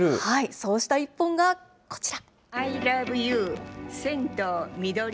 そうした１本がこちら。